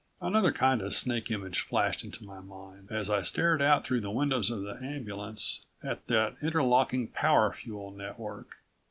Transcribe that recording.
Another kind of snake image flashed into my mind as I stared out through the windows of the ambulance at that interlocking power fuel network.